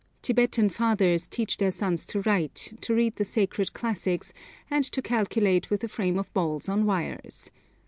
Tibetan fathers teach their sons to write, to read the sacred classics, and to calculate with a frame of balls on wires.